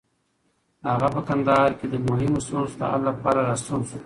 هغه په کندهار کې د مهمو ستونزو د حل لپاره راستون شو.